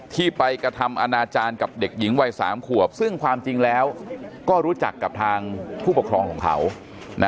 ที่ไปกระทำอนาจารย์กับเด็กหญิงวัย๓ขวบซึ่งความจริงแล้วก็รู้จักกับทางผู้ปกครองของเขา